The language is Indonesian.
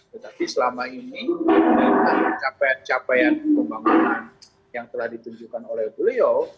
tetapi selama ini dengan capaian capaian pembangunan yang telah ditunjukkan oleh beliau